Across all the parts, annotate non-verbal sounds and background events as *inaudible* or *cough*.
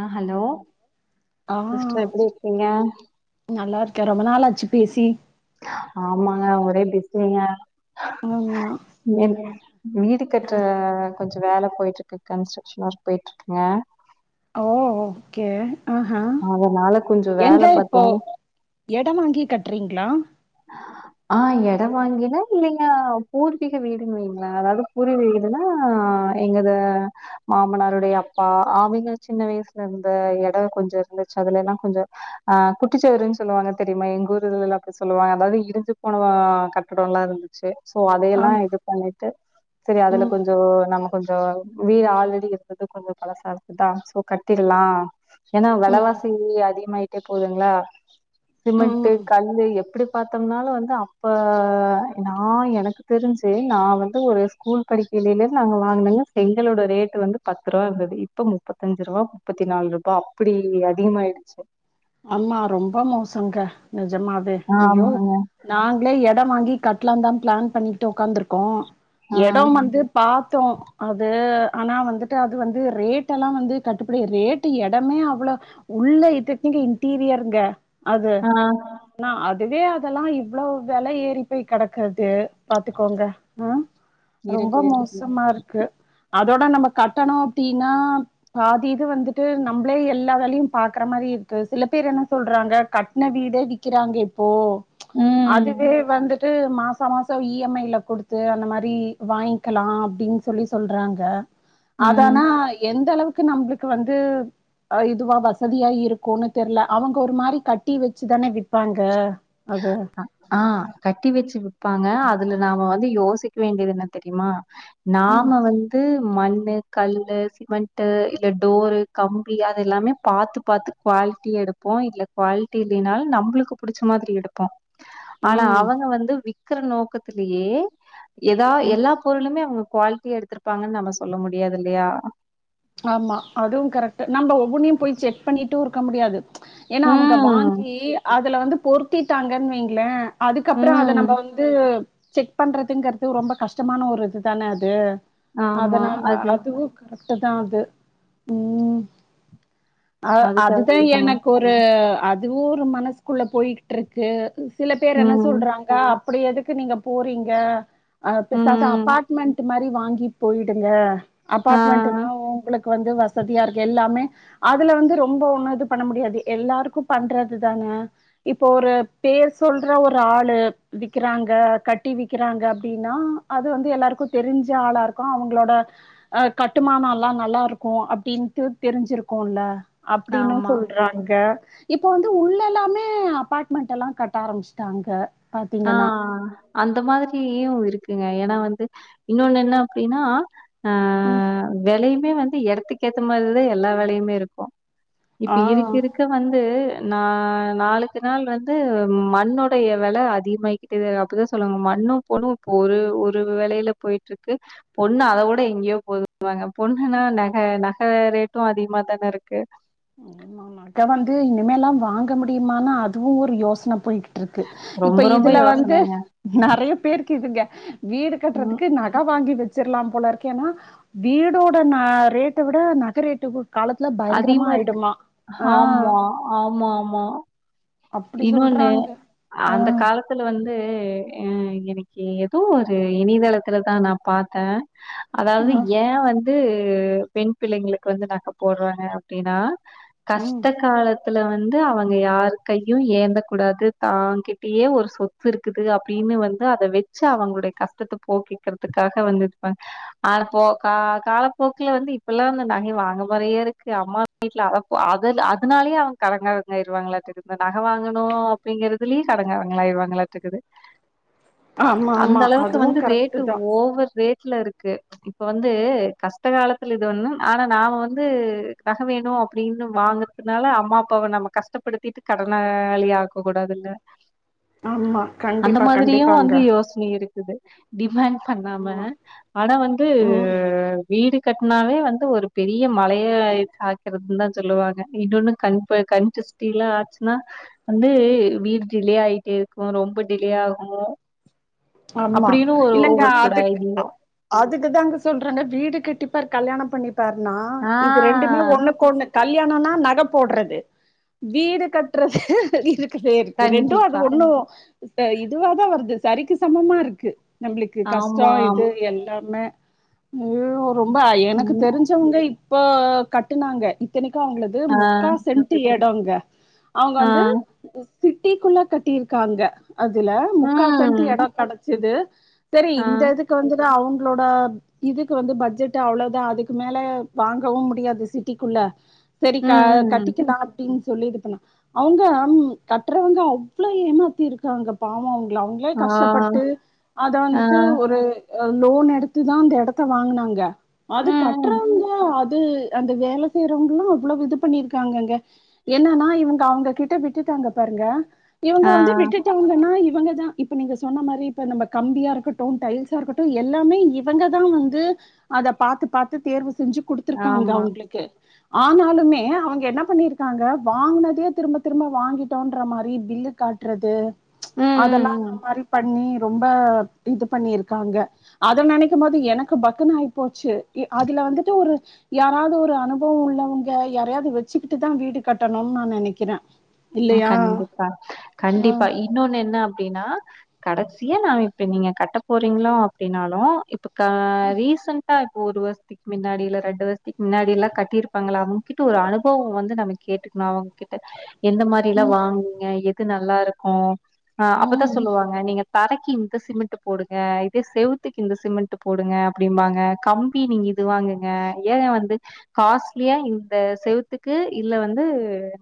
அஹ ஹலோ ஆ சிஸ்டர் எப்டி இருக்கீங்க நல்லா இருக்க ரொம்ப நாளாச்சு பேசி ஆமாங்க ஒரே பிசிங்க ஆமா என் வீடு கற்ற ஆ கொஞ்சோ வேல போயிட்டுருக்கு கன்ஸ்ட்ரக்க்ஷன் ஒர்க் போயிட்டுருக்குங்க ஓ ஓகே ஆஹ, அதனால கொஞ்சோ வேல எங்க இப்போ பாத்தீங் எடம் வாங்கி கட்டுறீங்களா ஆ எடம் வாங்கினா இல்லைங்க பூர்வீக வீடுன் வைங்களே அதாது பூர்வீ வீடுனா எங்கது மாமனாருடைய அப்பா அவங்க சின்ன வயசுல இருந்த எடோ கொஞ்சோ இருந்துச்சு அதுல எல்லாம் கொஞ்சோ ஆ குட்டிச்செவருன் சொல்லுவாங்க தெரியுமா எங்கூரு இதுலலா அப்டி சொ சொல்லுவாங்க அதாது இடிஞ்சு போன கட்டடோலா இருந்துச்சு சோ அதைய எல்லாம் ஆம் இது பண்ணிட்டு சரி அதுல ம் கொஞ்சோ நம்ம கொஞ்சோ வீடு ஆல்ரெடி இருந்தது கொஞ்சோ பழசா இருந்ததா சோ கட்டிடலா ஏனா ம் வெலவாசி அதிகமாயிட்டே போதுங்ளா ம் சிமெண்ட்டு கல்லு எப் எப்டி பாத்தம்னாலு வந்து அப்ப நா எனக்கு தெரிஞ்சு நா வந்து ஒரு ஸ் ஸ்கூல் படிக்கையிலல நாங்க வாங்கினனங்க செங்களோட ரேட்டு வந்து பத்து ரூபா இருந்தது இப்ப முப்பத்தஞ்சு ரூபா முப்பத்தி நாலு ரூபா அப்டி அதிகமாயிடுச்ச அமா ரொம்ப மோசங்க நிஜமாவே ஐயோ ஆமாங்க நாங்களே எடம் வாங்கி கட்லாந் தான் பிளான் பண்ணிகிட்டு உ்காந்துருக்கோம் ஆ எடம் வந்து பாத்தோ அது ஆனா வந்துட்டு அது வந்து ரேட் எல்லாம் வந்து கட்டுப்படி ரேட்டு எடமே அவ்வளோ உள்ள இது நீங்க இன்டீரியருங்க அது ஆ னா அதுவே அதெல்லாம் இவ்லோ வெல ஏறி போய் கடக்கறது பாத்துக்கோங்க ம் ரொம்ப இருக்கு இருக்கு மோசமா இருக்கு அதோட நம்ம கட்டணும் அப்டினா பாதி இது வந்துட்டு நம்பளே எல்லா வேலையு பாக்குற மாரி இருக் கு சில பேர் என்ன சொல்றாங்க கட்ன வீடே விக்கிறாங்க இப்போ ம் அதுவே வந்து து மாச மாசம் இஎம்ஐல கொடுத்து அந்த மாரி வாயிங்கலாம் அப்டின் சொல்லி சொல்றாங்க ம் அதானா எந்த அளவுக்கு நம்மளுக்கு வந்து இதுவா வசதியா இருக் கோனு தெர்ல அவங்க ஒரு மாரி கட்டி வச்சுதான விப்பாங்க அது அ ஆ கட்டி வெச்சு விப்பாங்க அதுல நாம வந்து யோசிக்க வேண்டியது என்ன தெரியுமா ம் நாம வந்து மண்ணு கல்லு சிமெண்ட்டு இல்ல டோரு கம்பி அது எல்லாமே பாத்து பாத்து குவாலிட்டியா எடுப் போ இல்ல குவாலிட்டி இல்லைனாலும் நம்மளுக்கு புடிச்ச மாதிரி எடுப்போம் ஆனா ம் அவங்க வந்து விக்கற நோக்கத்தலயே எதா ம். எல்லா பொருளுமே அவ்ங்க குவாலிட்டியா எடுத்திருப்பாங்கன் நம்ம சொல்ல முடியாது இல்லையா ஆமா அதுவும் கரெக்ட் நம்ப ஒவ்வொன்னையும் போய் செக் பண்ணிட்டும் இருக்க முடியாது ஏனா அவுங்க ம். வாங்கி அதுல வந்து பொருத்திட்டாங்கன் வைங்களே அதுக்கப்றோ அத நம்ப ம். வந் ந்து செக் பண்றதுங்குறது ரொம்ப கஷ்டமான ஒரு இதுதான அது ஆமா. அதனால அது அதுவும் கரெக்ட் தான் அது ம் அ அது கரெக்ட்டு அதுதான் தாங்க. எனக்கு ஒரு ரு அதுவும் ஒரு மனசுக்குள்ள போயிகிட்டுருக்கு சில பேர் என்ன ம். சொல்றாங் ஆ அப்டி எதுக்கு நீங்க போட்ரிங்க ஆ பேசாது ம். அபார்ட்மெண்ட் மாரி வாங்கி போயிடுங்க ஆ. அபார்ட்மெண்ட்னா ஒங்களுக்கு வந்து வசதியாருக்கு எல்லாமே அதுல வந்து ரொம்ப ஒன்னு இது பண்ண முடியாது எல்லாருக்கு பண்றது தான இப்போ ஒரு பேர் சொல்ற ஒரு ஆளு விக்கிறாங்க கட்டி விக்கிறாங்க அப்டின்னா அது வந்து எல்லாருக்கு தெரிஞ்ச ஆளாருக்கு அவுங்களோட அ கட்டுமான எல்லா நல்லாருக்கு அப்டின்ட்டு தெரிஞ்சிருக்குல அப்டினு ஆமா. சொல்றாங் ங்க இப்ப வந்து உள்ளல்லாமே அபாட்மெண்ட்டெல்லா கட்ட ஆரம்பிச்சட்டாங்க ஆ அந்த மாரியு இருக்குங்க ஏனா வந்து இன்னொன்னு என்ன அப்டினா ஆ வெலையுமே வந்து எடத்துக்கு ஏத்த மாதிரிதா எல்லா வெலையுமே இருக்கோ இப்டி இருக்க ஆஹ் இருக்க வந்து நா நாளுக்கு நாள் வந்து மண்ணுடைய வெல அதிகமாகிக்கிட்டே அப்பதா சொல்லுாங்க மண்ணு பொண்ணு இப்ப ஒரு ஒரு வெலையில போயிட்டுருக்கு பொண்ணு அத விட எங்கயோ போதுனுவாங்க பொண்ணுன்னா நக நக ரேட்டும் அதிகமா தான இருக்கு ம் நக வந்து இனிமேலா வாங்க முடியுமா அதுவு ஒரு யோசன போய் ட்டுருக்கு இப்ப ரொம்ப ரொம்ப இதுல வந்து யோசனைங்க. நறையா பேருக்கு இதுங்க வீடு ம் கட்டுறதுக்கு நா க வாங்கி வச்சிறலா போலருக்கேனா வீடோட நா ரேட்ட விட நக ரேட்டு போ காலத் நல்லா பயங்கரமா அதிகமா ஆயிடுமா ஆஹ் ஆமா ஆமா ஆமா அப்படி இன்னொன்னு சொல்றாங்க ஆஹ் அந்த கால த்துல வந்து அ என்னைக்கி எதோ ஒரு இணையதளத்துல தா நா பாத்தே அதாவது ஆஹ் ஏ வந்து பெண் பிள்ளைங்களுக்கு வந்து நக போட்றாங்க அப்டின்னா உம் கஷ்ட காலத் இதுல வந்து அவுங்க யார் கையு ஏந்தக்க கூடாது தாங்கிட்டயே ஒரு சொத் து இருக்குது அப்டின்னு வந்து அத வச்சு அவுங்களுடைய கஷ்டத்த போகிக்கிறதுக்காக வந்துருப்பாங்க அட போக்கா காலப்போக்குல வந்து இப்பல்லா வந்து நகைய வாங்க முறையா இருக்கு அம்மா வீட்ல அ அத அதனாலயே அவுங்க கடங்காரங்களாயிட்டிருக்குது இந்த நக வாங்கணு அப்டிங்கிறதுலயே *unintelligible* ஆமா ஆமா அந்தளவுக்கு அதுவும் வந்து கரெக்ட் ரேட்டு தான் ஓவர் ரேட் த்துல இருக்கு இப்ப வந்து கஷ்ட காலத்துல இது ஒன்னு ஆனா நாம வந்து வந்து நக வேணு அப்டின்னு வாங்கறதுனால அம்மா அப்பாவ நம்ம கஷ்டப்படுத்திட் கடனாளி ஆக்க கூடாதில்ல ஆமா கண்டிப்பா கண்டிப்பாங்க யோசன இருக்குது டிமாண்ட் பண்ணாம ஆமா ஆனா வந்து ம் வீடு கட்னாவே வந்து ஒரு பெரி பெரிய மலைய சாய்க்குறதுன்னு தா சொல்லுவாங்க இன்னொன்னு கண்ப கண் திஸ்டிலா ஆச்சுன்னா வந்து வீட்டிலே ஆயிட்டேருக்கும் ரொம்ப டிலே ஆகு ஆமா அப்டின்னு ஒரு இல்லங்க ஒவ்வொருத்தரோட அதுக் அ ஐடியோ அதுக்கு தாங்க சொல்றாங்க வீடு கட்டிப்பாரு கல்யாண பண்ணிப்பாருனா ஆ இது ரெண்டு ஒன்னு ஒன்னுக்கு ஒன்னு கல்யாணன்னா நக போட்றது வீடு கட்டுறது இருக் க்கவே இருக்குது ரெண்டு அது கண்டிப்பா ஒன்னு இப்ப இதுவாதா வருது சரிக்கி சமமா இருக்கு நம்மளுக்கு கஷ்ட ஆமாம். இது எல்லாமே முழு ரொம்ப எனக்கு ம். தெரிஞ்சு வங்க இப்ப கட்டுனாங்க இத்தனைக்கு அவங்களது ஆ, முக்கா சென்ட்டு எடங்க அவுங்க ஆ, வந்து சிட்டிக்குள்ள கட்டியிருக்காங்க அதுல முக்கா சென்ட்டு ம். எடோ ஞ்சது செரி ஆ, இந்த இதுக்கு வந்துதா அவுங்களோட இதுக்கு வந்து பட்ஜெட் அவ்ளோ தா அதுக்கு மேல வாங்கவு முடியாது சிட்டிக்குள்ள ம், சரிக்கா ம், ம். கட்டிக்கலா அப்டின்னு சொல்லி இதுப்பண்ண அவுங்க அம் கட்றவங்க அவ்ளோ ஏமாத்திருக்காங்க பாவ அவுங்கள அவுங் ஏ ஆ, கஷ்டப்பட்டு அத ஆ, வந்துட்டு ஒரு அ லோன் எடுத்துதா அந்த எடத்த வாங்கனாங்க அது ம், ம். கட்றவுங்க அது அந்த வேல செய்றவங்கலு அவ்ளோவ் இது பண்ணியிருக்காங்கங்க என்னானா இவுங்க அவுங்க கிட்ட விட்டுட்டாங்க பாருங்க இவங்க ஆ, வந்து விட்டுட்டவங்கனா இவங்கதா இப்ப நீங்க சொன்ன மாத் இப்ப நம்ப கம்பியா இருக்கட்டு டைல்ஸா இருக்கட்டு எல்லாமே இவங்கதா வந்து அத பாத்து பாத்து தேர்வு செஞ்சு குடுத்துருக்காங்க ஆமா. அவ்ங்ளுக்கு ஆனாலுமே அவங்க என்ன பண்ணிருக்காங்க வாங்கனதையே திரும்ப திரும்ப வாங்கிடோன்ற மாரி பில்லு காட்றது ம், அதல்லா ம், ம். அந்த மாரி பண்ணி ரொம்ப இது பண்ணிருக்காங்க அத நெனைக்கும் போது எனக்கு பக்குனு ஆயிப்போச்சு இ அதுல வந்துட்டு ஒரு யாராது ஒரு அனுபோவம் உள்ளவங்க யாரையாது வெச்சுக்கிட்டு தா வீடு கட்டணும் நா நெனைக்கிற ம் கண்டிப்பா கண்டிப்பா இ இன்னொன்னு என்ன அப்டின்னா கடைசியா நாம இப்ப நீங்க கட்ட போறீங்களோ அப்டின்னாலு இப் இப்ப கா ரீசென்டா இப்போ ஒரு வருஷத் திக் மின்னாடில ரெண்டு வருஷத்திக் மின்னாடி எல்லா கட்டி இருப்பாங்கள அவுங் கிட்ட ஒரு அனுபவோ வந்து நாம கேட்டுக்ணு அவங் கிட் எந்த மாரில்லா ம் வாங்குவீங்க எது நல்லாருக்கும் ஆ அப்பதா ம் சொல்லுவாங்க நீங்க தரைக்கி இந்த சிமெண்ட்டு போடுங்க இதே செவுத்துக்கு இந்த சிமெண்ட் போடுங்க அப்டிம்பாங்க கம்பி நீங்க இது வாங்குங்க ஏ வந்து காஸ்ட்லியா இந்த செவுத்துக்கு இல்ல வந்து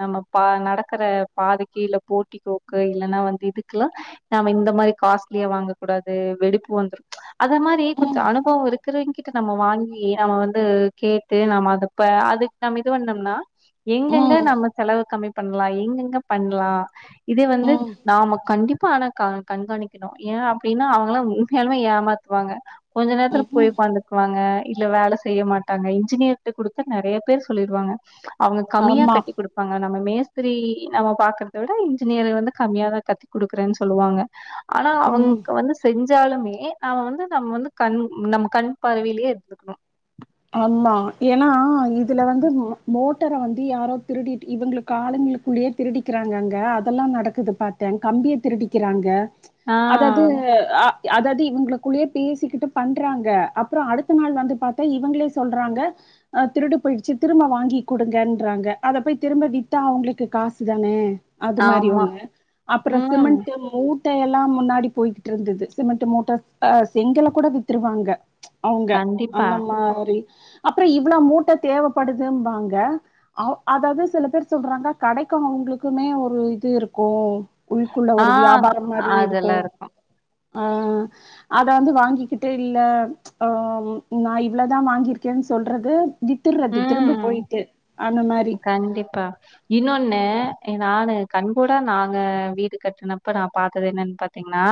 நம்ம பா நடக்கற பாதைகீல்ல போர்ட்டிக்கோக்கு இல்லன்னா வந்து இதுக்லா நாம இந்த மாரி காஸ்ட்லியா வாங்க கூடாது வெடிப்பு வந்துரு அத மாரி கொஞ்ச ம் அனுபவோம் இருக்கறங்கிட் *unintelligible* நம்ம வாங்கி அவன் வந்து கேட்டு நாம அதப்ப அதுக் நம்ம இது பண்ணோம்னா எங்கெங்க ம் நம்ம செலவு கம்மி பண்லா எங்கெங்க பண்லா இதே வந்து நாம கண்டிப்பா ஆன கா கண்காணிக்கணும் ஏ அப்டின்னா அவங்களா உண்மையாளுமே ஏமாத்துவாங்க கொஞ்ச நேரத்துல ம் போய் ம் ஒக்காந் வாங்க இல்ல வேல செய்ய மாட்டாங்க இன்ஜினியர்ட்ட குடுத்த நெறைய பேர் சொல்லிருவாங்க அவுங்க கம்மியா ஆமா கட்டி குடுக் ப நம்ம மேஸ்திரி நம்ம பாக்றத விட இன்ஜினியர் வந்து கம்மியா தா கத்தி குடுக்குறேன் சொல்லுவாங்க ஆனா ம் அவ்ங்க வந்து செஞ்சாலுமே நாம வந்து நம்ம வந்து கண் நம்ம கண் பார்வைலியே இருத்துக்குணு ஆம்மா ஏன்னா இதுல வந்து மோ மோட்டர வந்து யாரோ திருடிட் இவுங்குளுக் காலுங்களுக்குள்ளயே திருடிக்கிறாங்க அங்க அதல்லா நடக்குது பாத்தே கம்பிய திருடிக்கிறாங்க ஆ அதாது ஆ அதாது இவுங்குளுக்குள்ளயே பேசிக்கிட்டு பண்றாங்க அப்பறோ அடுத்த நாள் வந்து பாத்தா இ இவ்ங்களே சொல்றாங்க அ திருடு போயிடுச்சு திரும்ப வாங்கி குடுங்கன்றாங்க அத போய் திரும்ப வித்தா அவங்களுக்கு காசு தானே அது மாரி ஆமா. ஒண்ணு அப்பறோ சிமெண்ட்டு ம் மூட்டை எல்லா முன்னாடி போய்ட்ருந்துது சிமெண்ட் மூட்ட அ செங்கல்ல கூட வித்துருவாங்க அவுங்க கண்டிப்பா. அந்த மாரி அப்பற இவ்ள மூட்ட தேவப்படுதும்பாங்க அவ் அதாவது சில பேர் சொல்றாங்க கடைக்கு அவுங்குளுக்குமே ஒரு இது இருக்கு உள்குள்ள ஆ ஒரு வியாபாரம் மாரி அதெல்லாம் இருக்கோம் இருக்கும். ஆ அத வந்து வாங்கிகிட்டு இல்ல ம் நாய் இவ்ளதா வாங்கிருக்கேன் சொல்றது வித்துட்றது திரும்ப ம். போயிட்டு அந்த மாரி கண்டிப்பா இன்னொன்னு எ நானு கண்கூட நாங்க வீடு கட்டனப்ப நா பாத்தது என்னன்னு பாத் பாத்தீங்னா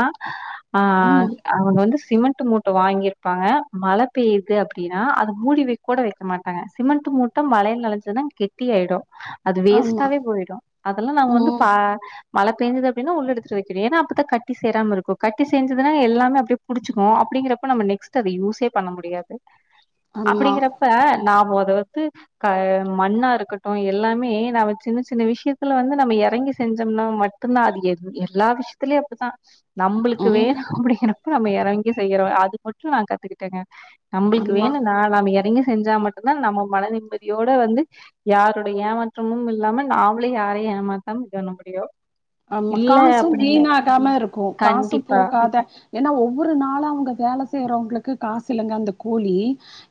ஆ ம் அவங்க வந்து சிமெண்ட் மூட்ட வாங்கிருப்பாங்க மழை பெய்யுது அப்படின்னா அது மூடி வைக்க கூட வைக்க மாட்டேங்க அ சிமெண்ட் மூட்ட மழையிள நனைஞ்சதுன கெட்டி ஆயிடும் அது ஆமா வேஸ்ட்டாவே போயிடும் அதெல்லாம் நாம வந்து ம் பா மழை பெஞ்சது அப்பிடின்னா உள்ள எடுத்து வைக்கிறே ஏன்னா அப்பத்தான் கட்டி சேராம இருக்கோ கட்டி செஞ்சதுன்னா எல்லாமே அப்படி புடிச்சுக்குவோ அப்படிங்கறப்ப நம்ம நெக்ஸ்ட் அத யூஸே பண்ண முடியாது *inaudible* அப்படிங்கறப்ப நாம அத வந்து க மண்ணா இருக்கட்டூ எல்லாமே நம்ம சின்ன சின்ன விஷயத்துல வந்து நம்ம எறங்கி செஞ்சோம்னா மட் த்ர்னா அது எத் எல்லா விஷயத்திலயும் அப்படிதா நம்மளுக்கு ம் வேணா அப்படிங்கிறப்ப நம்ம எறங்கி செய்யறோம் அது மட்டும் நா கத்துக்கிட்டேங்க நம்மளுக்கு ஆமா வேணும்னா நாம எறங்கி செஞ்சா மட்டும்தா நம்ம மன நிம்மதியோட வந்து யாருடைய ஏமாற்றமும் இல்லாம நாமளும் யாரையூ ஏமாத்தாம இது பண்ண முடியும் ஆம இல்ல காசு அப்படிங்க வீணாகாம இருக்கு காசு கண்டிப்பா போகாத ஏன்னா ஒவ்வொரு நாளூ அவங்க வேல செய்யறவங்களுக்கு காசு இல்லங்க அந்த கூலி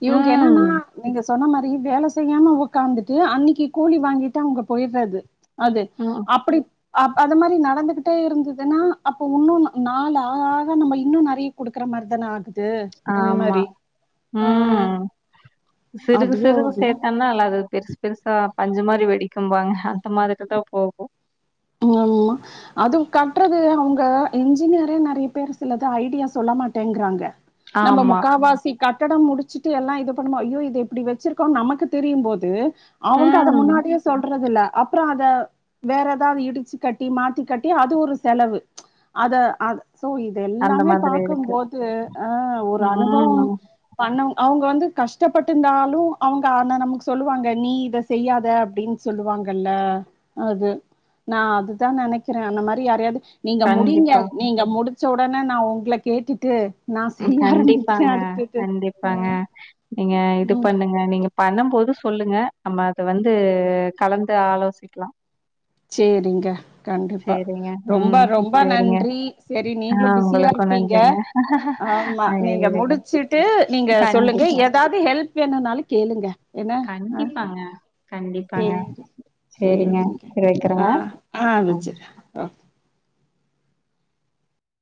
இவங்க என்னன்னா ம் நீங்க சொன்ன மாரி வேல செய்யாம உட்காந்துட்டு அன்னிக்கு கூலி வாங்கிட்டு அவங்க போயிட்றது அது ம் அப்படிப் அ அது மாதிரி நடந்துகிட்டே இருந்ததுன்னா அப்ப வுன்னு நாலு ஆ ஆக நம்ம இன்னு நிறைய குடுக்குற மாரிதான ஆகூ ஆம்மா ம் சிறுக அதையோ சிறுக அது இல்ல சேர்தான்னா அல்ல அது பெருசு பெருசா பஞ்சுமாரி வெடிக்கும்பாங்க அந்த மாதிரி தா போகு ம் மா அது கட்டுறது அவங்க இன்ஜினியர நிறைய பேர் சிலது ஐடியா சொல்ல மாட்டேங்கிறாங்க நம்ம ஆமா முக்காவாசி கட்டடம் முடிச்சிட்டு எல்லா இது பண்ணும்போது ஐயோ இது இப்படி வச்சிருக்கோ நமக்கு தெரியும் போது அவுங்க அத ம் முன்னாடியே சொல்றது இல்ல அப்புறம் அத வேறப் இதா இடிச்சு கட்டி மாத்தி கட்டி அது ஒரு செலவு அத அ சோ து அந்த எல்லாமே மாதிரி இருக்கு பாக்கும்போது ஆ ஒரு அனுபவோ ம் பண்ணவங் அவங்க வந்து கஷ்டப்பட்டுருந்தாலூ அவங்க ஆன நமக்கு சொல்லுவாங்க நீ இத செய்யாத அப்டின் சொல்லுவாங்கல்ல அது நா அதுதா நினைக்கிறே அந்த மாதிரி யாரையாது நீங்க முடிங்க கண்டிப்பா நீங்க முடு ச உடனே நா உங்களை கேட்டுட்டு நா செய்ய ஆரம்பிக்கிறே கண்டிப்பாங்க அடுத்தது கண்டிப்பாங்க நீங்க இது ம் பண்ணுங் அ நீங்க பண்ணும் போது சொல்லுங்க நம்ம அத வந்து கலந்து ஆலோசிக்கிலா சேரிங்க கண்டிப்பா சேரிங்க ரொம்ப ம் ரொம்ப சேரிங்க நன்றி சரி ஆ நீங்களும் பிஸியா உங்களுக்கு இருப்பீங்க நன்றிங்க ஆமா ஆ நீங்க இல்லைங்க முடிச்சுட்டு நீங்க சொல்லுங்க கண்டிப்பா எப் எதாவது ஹெல்ப் வேணும்னாலும் கேளுங்க என்ன ஆ கண்டிப்பாங்க கண்டிப்பாங்க சேரி சரிங்க சேரிங்க செரி வைக்கிறங்க அ